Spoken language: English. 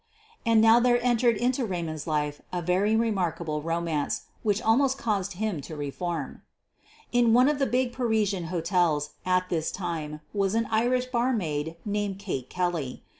And now there entered into Raymond's life a very remarkable romance, which almost caused him to reform. In one of the big Parisian hotels at this time was an Irish barmaid named Kate Kelley.